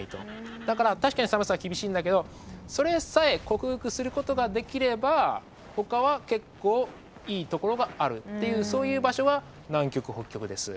だから確かに寒さは厳しいんだけどそれさえ克服することができればほかは結構いいところがあるっていうそういう場所が南極北極です。